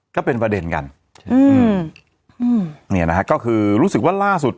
ก็เป็นประเด็นกันอืมอืมเนี่ยนะฮะก็คือรู้สึกว่าล่าสุด